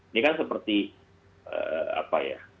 ini kan seperti apa ya